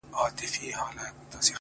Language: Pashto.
په خبرو کي خبري پيدا کيږي ـ